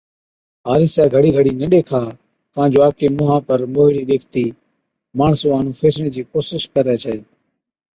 آرِيسَي گھڙِي گھڙِي نہ ڏيکا ڪان جو آپڪي مُونهان پر موهِيڙي ڏيکتِي ماڻس اُونهان نُون ڦيسڻي چِي ڪوشش ڪرَي ڇَي۔